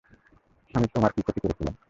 আমি তোমার কী ক্ষতি করেছিলাম?